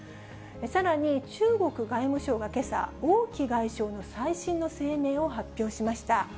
さらに、中国外務省はけさ、王毅外相の最新の声明を発表しました。